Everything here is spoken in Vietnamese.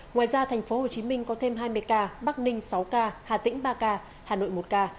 ngoài ra thành phố hồ chí minh có thêm hai mươi ca bắc ninh sáu ca hà tĩnh ba ca hà nội một ca